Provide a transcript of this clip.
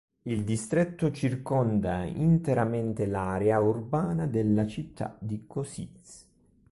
Il distretto circonda interamente l'area urbana della città di Košice.